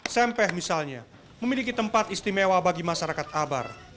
sempeh misalnya memiliki tempat istimewa bagi masyarakat abar